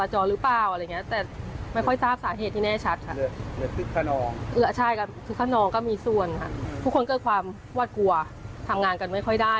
เหลือตะกงคลุกก็มีส่วนทุกคนก็ความหวัดกลัวทำงานกันไม่ค่อยได้